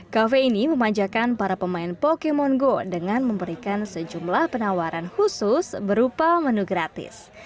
kafe ini memanjakan para pemain pokemon go dengan memberikan sejumlah penawaran khusus berupa menu gratis